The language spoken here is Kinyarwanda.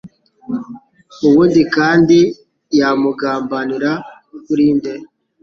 Ubundi kandi yamugambanira kuri nde?